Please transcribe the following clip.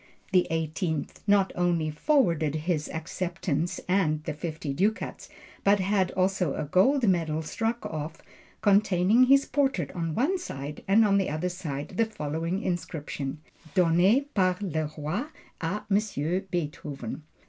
Louis XVIII, not only forwarded his acceptance (and the fifty ducats), but had also a gold medal struck off, containing his portrait on one side, and on the other, the following inscription: "Donné par le Roi à monsieur Beethoven."